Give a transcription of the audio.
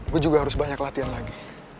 gue juga harus banyak latihan lagi